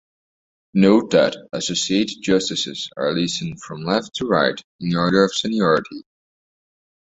Note that associate justices are listed, from left to right, in order of seniority.